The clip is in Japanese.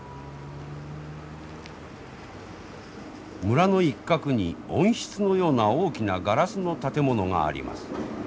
村の一角に温室のような大きなガラスの建物があります。